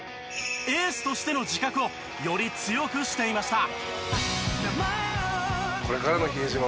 エースとしての自覚をより強くしていました。